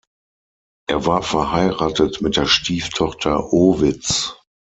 Er war verheiratet mit der Stieftochter Ovids.